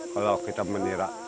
kalau kita menirak